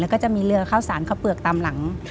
แล้วก็จะมีเรือข้าวสารข้าวเปลือกตามหลัง